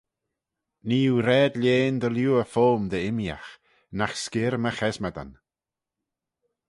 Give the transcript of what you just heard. Nee oo raad lhean dy liooar foym dy immeeaght: nagh skyrr my chesmadyn.